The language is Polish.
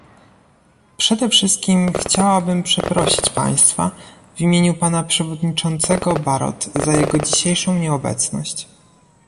Przede wszystkim chciałabym przeprosić państwa w imieniu pana przewodniczącego Barrot za jego dzisiejszą nieobecność